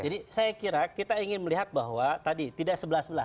jadi saya kira kita ingin melihat bahwa tadi tidak sebelah sebelah